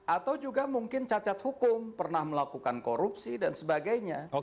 atau juga mungkin cacat hukum pernah melakukan korupsi dan sebagainya